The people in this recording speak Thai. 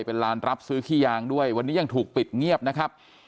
เป็นลานรับซื้อขี้ยางด้วยวันนี้ยังถูกปิดเงียบนะครับ